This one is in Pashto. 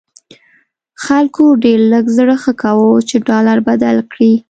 خلکو ډېر لږ زړه ښه کاوه چې ډالر بدل کړي.